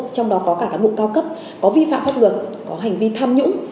trong đó có cả cán bộ cao cấp có vi phạm phát ngược có hành vi tham nhũng